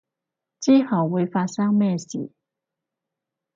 之後會發生咩事